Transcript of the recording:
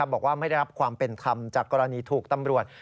บอกว่าไม่ได้รับความเป็นธรรมจากกรณีถูกตำรวจ